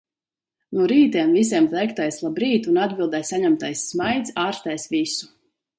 No rītiem visiem teiktais "labrīt" un atbildē saņemtais smaids ārstēs visu.